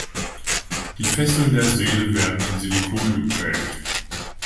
Die Fesseln der Seele werden in Silikon geprägt.